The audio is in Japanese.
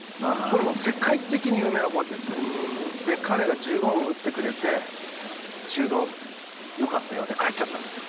世界的に有名なコーチですからで彼が１５分打ってくれて「修造よかったよ」で帰っちゃったんですよ